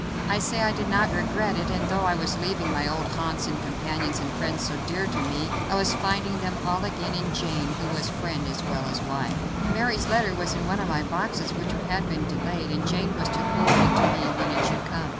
I say I did not regret it, and though I was leaving my old haunts and companions and friends so dear to me, I was finding them all again in Jane, who was friend as well as wife. Mary's letter was in one of my boxes which had been delayed, and Jane was to forward it to me when it should come.